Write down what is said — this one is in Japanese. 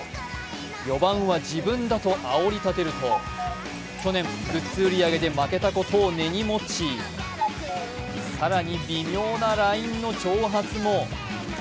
４番は自分だとあおり立てると去年、グッズ売り上げで負けたことを根に持ち更に微妙なラインの挑発も。